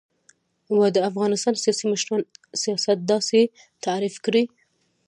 و : د افغانستان سیاسی مشران سیاست داسی تعریف کړی